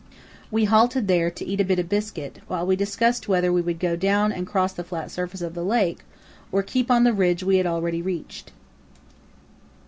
We halted there to eat a bit of biscuit while we discussed whether we would go down and cross the flat surface of the lake, or keep on the ridge we had already reached.